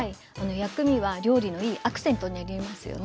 薬味は料理のいいアクセントになりますよね。